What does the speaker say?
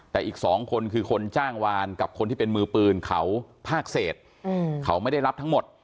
แต่อีก๒คนคือคนจ้างวานกับคนที่เป็นมือปืนเขาภาคเศษเขาไม่ได้รับทั้งหมด